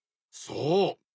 そう。